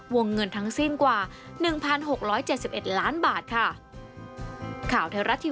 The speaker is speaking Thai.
วงเงินทั้งสิ้นกว่า๑๖๗๑ล้านบาทค่ะ